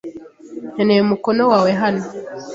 Nkeneye umukono wawe hano.